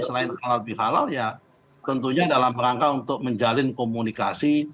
selain halal bihalal ya tentunya dalam rangka untuk menjalin komunikasi